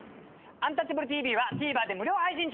「アンタッチャブるＴＶ」はＴＶｅｒで無料配信中！